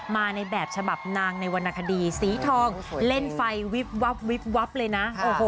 มาในแบบฉบับนางในวรรณคดีสีทองเล่นไฟวิบวับวิบวับเลยนะ